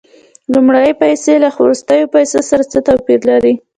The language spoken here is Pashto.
لومړنۍ پیسې له وروستیو پیسو سره څه توپیر لري